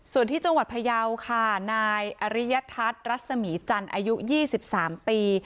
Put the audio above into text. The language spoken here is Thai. ส่วนที่จังหวัดพยาวค่ะนายอริยทัศน์รัศมีจันทร์อายุ๒๓ปี